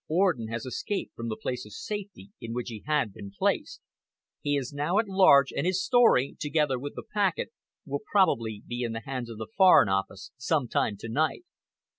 Orden has escaped from the place of safety in which he had been placed. He is now at large, and his story, together with the packet, will probably be in the hands of the Foreign Office some time to night."